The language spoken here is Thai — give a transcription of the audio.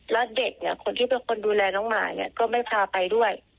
แล้วเด็กเนี่ยคนที่เป็นคนดูแลน้องหมาเนี่ยก็ไม่พาไปด้วย